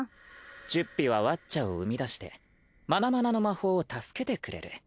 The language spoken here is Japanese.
チュッピはワッチャを生み出してマナマナの魔法を助けてくれる。